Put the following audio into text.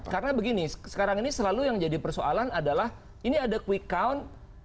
karena begini sekarang ini selalu yang jadi persoalan adalah ini ada quick count